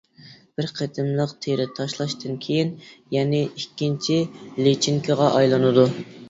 بىر قېتىملىق تېرە تاشلاشتىن كېيىن، يەنى ئىككىنچى لىچىنكىغا ئايلىنىدۇ.